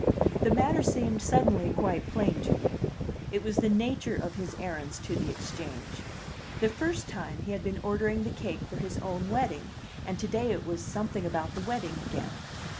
The matter seemed suddenly quite plain to me: it was the nature of his errands to the Exchange. The first time he had been ordering the cake for his own wedding, and to day it was something about the wedding again.